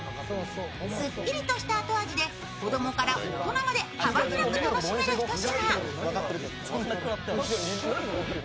すっきりとした後味で子供から大人まで幅広く楽しめるひと品。